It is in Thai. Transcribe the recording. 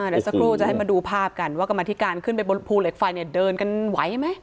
เดี๋ยวสักครู่จะให้มาดูภาพกันว่ากรรมธิการขึ้นไปบนภูเหล็กไฟเนี่ยเดินกันไหวไหม